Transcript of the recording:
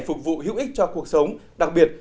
phục vụ hữu ích cho cuộc sống đặc biệt